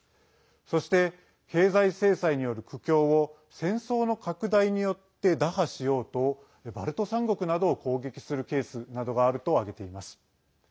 そして、経済制裁による苦境を戦争の拡大によって打破しようとバルト３国などを攻撃するケースなどがあると挙げています。